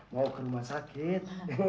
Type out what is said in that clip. mau ke rumah sakit